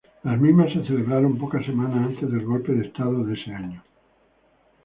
Las mismas se celebraron pocas semanas antes del golpe de estado de ese año.